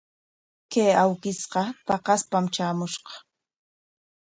Kay awkishqa paqaspam traamushqa.